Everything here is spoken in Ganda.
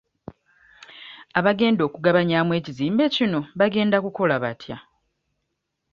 Abagenda okugabanyaamu ekizimbe kino bagenda kukola batya?